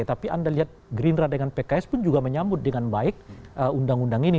tapi anda lihat gerindra dengan pks pun juga menyambut dengan baik undang undang ini